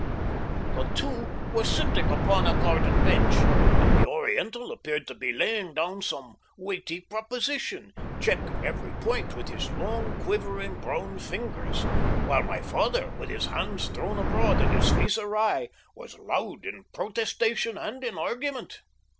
The two were sitting upon a garden bench, and the Oriental appeared to be laying down some weighty proposition, checking every point upon his long, quivering, brown fingers, while my father, with his hands thrown abroad and his face awry, was loud in protestation and in argument.